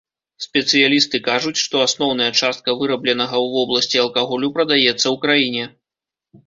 Спецыялісты кажуць, што асноўная частка вырабленага ў вобласці алкаголю прадаецца ў краіне.